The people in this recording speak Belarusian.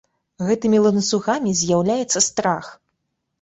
Гэтымі ланцугамі з'яўляецца страх.